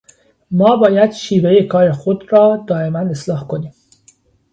ما باید شیوهٔ کار خود را دائماً اصلاح کنیم.